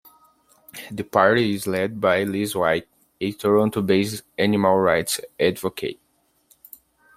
The party is led by Liz White, a Toronto-based animal rights advocate.